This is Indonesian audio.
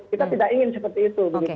kita tidak ingin seperti itu